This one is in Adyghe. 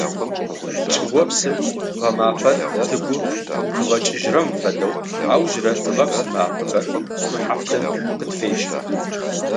Чӏыопсым гъэмафэр тыгу къыгъэкӏыжьрэм фэдэу аужрэ тыгъэпс мафэхэр шӏухьафтын къытфешӏы.